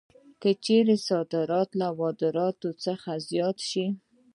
که چېرې صادرات له وارداتو څخه زیات شي